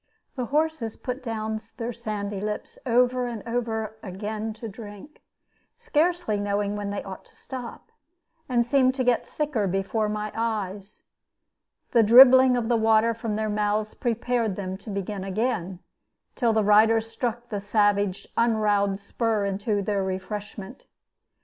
The horses put down their sandy lips over and over again to drink, scarcely knowing when they ought to stop, and seemed to get thicker before my eyes. The dribbling of the water from their mouths prepared them to begin again, till the riders struck the savage unroweled spur into their refreshment.